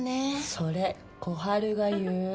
それ小春が言う？